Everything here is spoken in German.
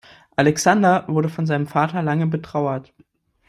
Alexander wurde von seinem Vater lange betrauert.